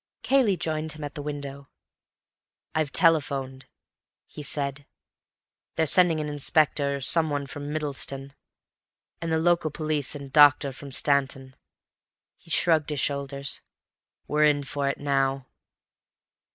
Cayley joined him at the window. "I've telephoned," he said. "They're sending an inspector or some one from Middleston, and the local police and doctor from Stanton." He shrugged his shoulders. "We're in for it now."